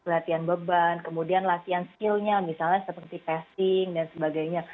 latihan beban kemudian latihan skillnya misalnya seperti testing dan sebagainya